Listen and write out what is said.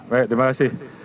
baik terima kasih